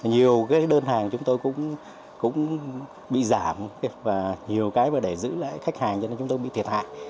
nhiều cái đơn hàng chúng tôi cũng bị giảm và nhiều cái mà để giữ lại khách hàng cho nên chúng tôi bị thiệt hại